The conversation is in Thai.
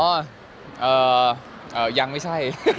อุ้ยมีการแต่งงาน